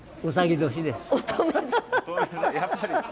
やっぱり。